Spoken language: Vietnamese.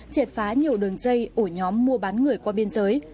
triệt phá nhiều đường dây ổ nhóm mua bán người qua biên giới